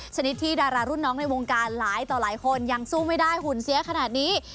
ชนิดที่ดารารุ่นน้องในวงการหลายต่อหลายคนยังสู้ไม่ได้หุ่นเสียขนาดนี้